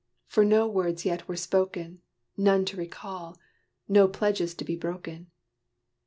For no words yet were spoken None to recall no pledges to be broken.